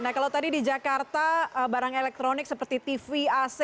nah kalau tadi di jakarta barang elektronik seperti tv ac